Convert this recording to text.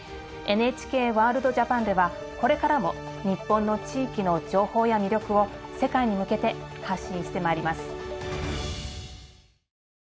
「ＮＨＫワールドＪＡＰＡＮ」ではこれからも日本の地域の情報や魅力を世界に向けて発信してまいります。